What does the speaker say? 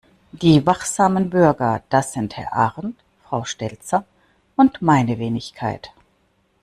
Die wachsamen Bürger, das sind Herr Arndt, Frau Stelzer und meine Wenigkeit.